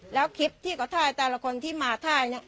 แล้วคลิปที่เขาถ่ายแต่ละคนที่มาถ่ายเนี่ย